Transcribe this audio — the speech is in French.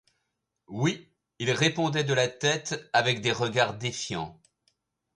Oui, il répondait de la tête, avec des regards défiants.